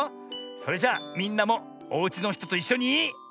それじゃみんなもおうちのひとといっしょに。